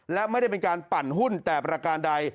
และไม่ได้เป็นการปั่นหุ้นแต่ประการใด